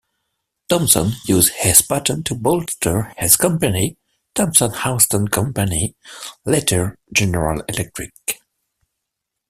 Thomson used his patents to bolster his company, Thomson-Houston Company, later General Electric.